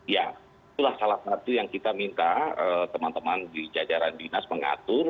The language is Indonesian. ya itulah salah satu yang kita minta teman teman di jajaran dinas mengatur